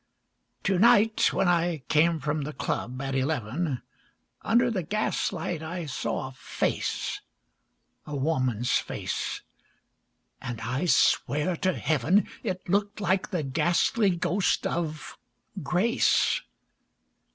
To night when I came from the club at eleven, Under the gaslight I saw a face A woman's face! and I swear to heaven It looked like the ghastly ghost of Grace!